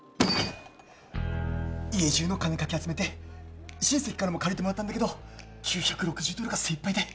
家じゅうの金かき集めて親戚からも借りてもらったんだけど９６０ドルが精いっぱいで。